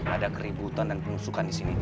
ada keributan dan penusukan disini